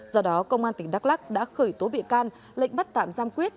do đó công an tỉnh đắk lắc đã khởi tố bị can lệnh bắt tạm giam quyết